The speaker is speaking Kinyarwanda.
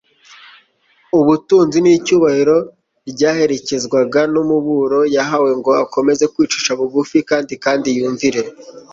ubutunzi n'icyubahiro ryaherekezwaga n'umuburo yahawe ngo akomeze kwicisha bugufi kandi kandi yumvire